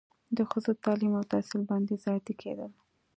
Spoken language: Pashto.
د ښځو تعلیم او تحصیل بندیز عادي کیدل